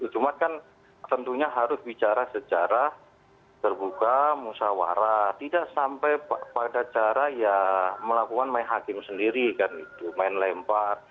cuma kan tentunya harus bicara secara terbuka musawarah tidak sampai pada cara ya melakukan main hakim sendiri kan itu main lempar